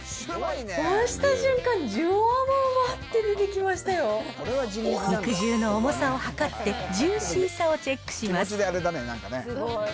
押した瞬間、肉汁の重さを量って、ジューシーさをチェックします。